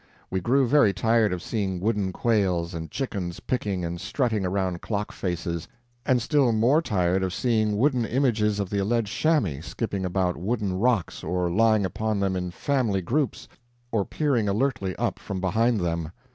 We grew very tired of seeing wooden quails and chickens picking and strutting around clock faces, and still more tired of seeing wooden images of the alleged chamois skipping about wooden rocks, or lying upon them in family groups, or peering alertly up from behind them.